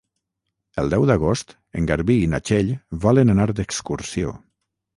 El deu d'agost en Garbí i na Txell volen anar d'excursió.